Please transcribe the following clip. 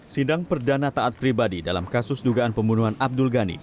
sidang perdana taat pribadi dalam kasus dugaan pembunuhan abdul ghani